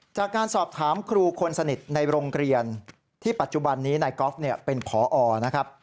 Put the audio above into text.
จากการสอบถามครูคนสนิทในโรงเรียนที่ปัจจุบันนี้นายกอล์ฟเป็นพอนะครับ